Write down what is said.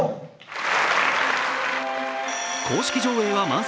公式上映は満席。